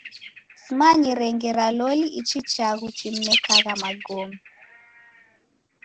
Simanyire ngera loli ichi chaghu chimnekagha magome.